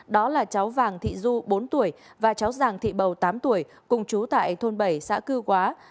đó là cháu vàng thị du bốn tuổi và cháu giàng thị bầu tám tuổi cùng chú tại thôn bảy xã cư quá